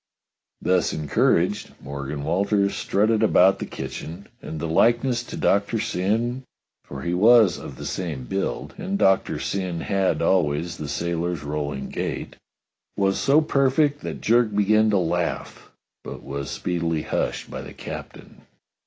Thus encouraged, Morgan Walters strutted about the kitchen, and the likeness to Doctor Syn (for he was of the same build and Doctor Syn had always the sailor's rolling gait) was so perfect that Jerk began to laugh, but was speedily hushed by the captain.